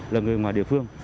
là người ngoài địa phương